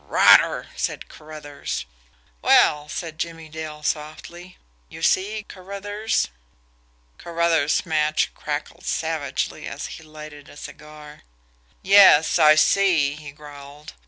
"Rotter!" said Carruthers. "Well," said Jimmie Dale softly. "You see Carruthers?" Carruthers' match crackled savagely as he lighted a cigar. "Yes, I see," he growled.